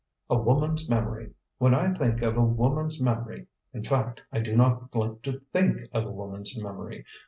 "A woman's memory! When I think of a woman's memory in fact, I do not like to think of a woman's memory.